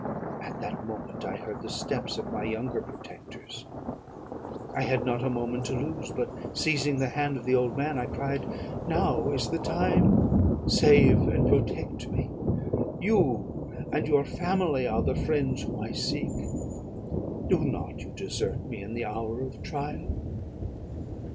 At that moment I heard the steps of my younger protectors. I had not a moment to lose; but, seizing the hand of the old man, I cried, 'Now is the time! save and protect me! You and your family are the friends whom I seek. Do not you desert me in the hour of trial!'